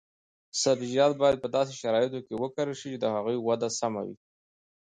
سبزیجات باید په داسې شرایطو کې وکرل شي چې د هغوی وده سمه وي.